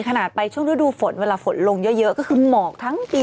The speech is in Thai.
ขนาดไปช่วงฤดูฝนเวลาฝนลงเยอะก็คือหมอกทั้งปี